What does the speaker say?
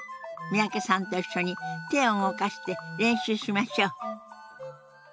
三宅さんと一緒に手を動かして練習しましょう。